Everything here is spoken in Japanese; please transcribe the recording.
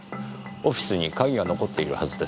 オフィスに鍵が残っているはずです。